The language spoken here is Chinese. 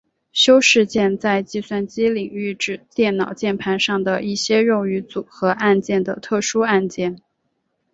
修饰键在计算机领域指电脑键盘上的一些用于组合按键的特殊按键。